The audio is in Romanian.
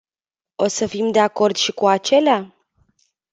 O să fim de acord și cu acelea?